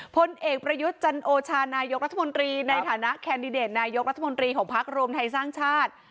พลเอกประยุทธ์จันโอชานายกรัฐมนตรีในฐานะแคนดิเดตนายกรัฐมนตรีของพักรวมไทยสร้างชาติ